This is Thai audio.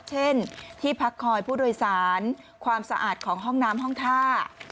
เช่นที่พักคอยผู้โดยสารความสะอาดของห้องน้ำห้องท่า